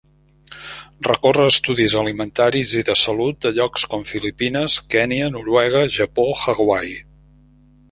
Recorre estudis alimentaris i de salut de llocs com Filipines, Kenya, Noruega, Japó, Hawaii.